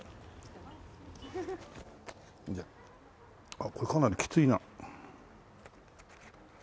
あっこれかなりきついな。